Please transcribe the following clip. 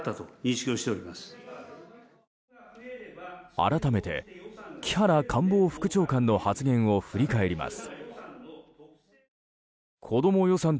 改めて木原官房副長官の発言を振り返ります。